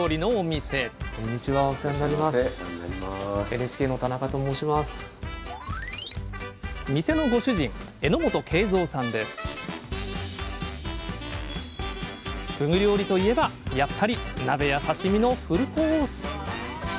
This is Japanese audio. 店のご主人ふぐ料理といえばやっぱり鍋や刺身のフルコース！